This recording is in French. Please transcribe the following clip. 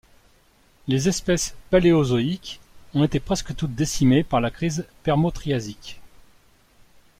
Les espèces paléozoïques ont été presque toutes décimées par la crise permo-triasique.